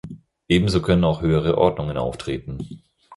Ebenso können auch höhere Ordnungen auftreten.